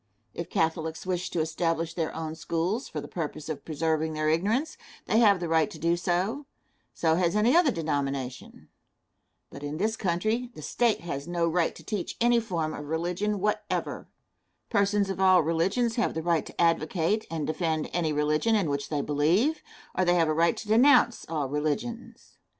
If Catholics wish to establish their own schools for the purpose of preserving their ignorance, they have the right to do so; so has any other denomination. But in this country the State has no right to teach any form of religion whatever. Persons of all religions have the right to advocate and defend any religion in which they believe, or they have the right to denounce all religions.